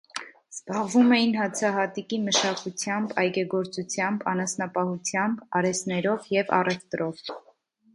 Զբաղվում էին հացահատիկի մշակությամբ, այգեգործությամբ, անասնապահությամբ, արհեստներով և առևտրով։